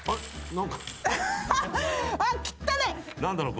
何だろう？